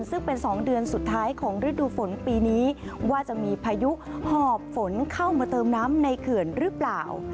ซึ่งเป็น๒เดือนสุดท้ายของฤดูฝนปีนี้ว่าจะมีพายุหอบฝนเข้ามาเติมน้ำในเขื่อนหรือเปล่า